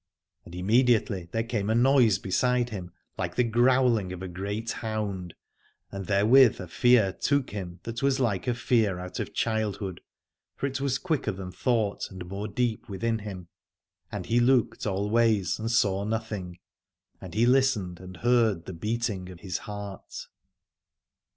And im mediately there came a noise beside him like the growling of a great hound, and there with a fear took him that was like a fear out of childhood, for it was quicker than thought and more deep within him. And he looked all ways, and saw nothing ; and he listened and heard the beating of his heart.